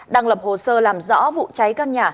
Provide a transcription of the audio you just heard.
đang lập hồ sơ làm rõ vụ cháy căn nhà